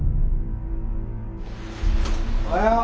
おはよう。